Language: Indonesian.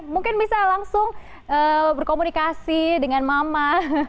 mungkin bisa langsung berkomunikasi dengan mama